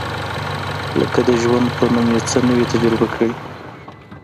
لکه د ژوند په نوم یې څه نه وي تجربه کړي.